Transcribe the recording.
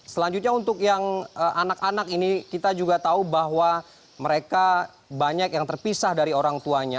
selanjutnya untuk yang anak anak ini kita juga tahu bahwa mereka banyak yang terpisah dari orang tuanya